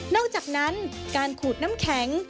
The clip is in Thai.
อกจากนั้นการขูดน้ำแข็ง